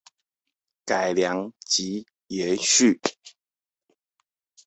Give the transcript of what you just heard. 改良及延續